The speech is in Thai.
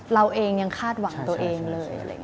เราเองยังคาดหวังตัวเองเลย